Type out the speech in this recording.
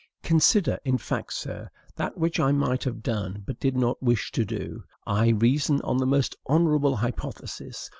Consider, in fact, sir, that which I might have done, but did not wish to do. I reason on the most honorable hypothesis.